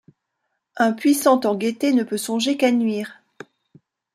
Un puissant en gaîté ne peut songer qu’à nuire.